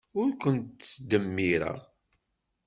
Ur ken-ttdemmireɣ.